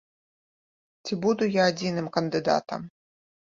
Ці буду я адзіным кандыдатам.